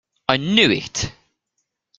I knew it!